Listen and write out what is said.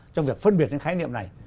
trong việc phân biệt những khái niệm này